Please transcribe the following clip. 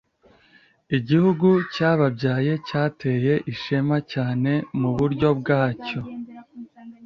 Igihugu cyababyaye cyateye ishema cyane muburyo bwacyo